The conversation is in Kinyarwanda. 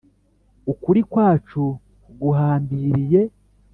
ukuri kwacu, guhambiriye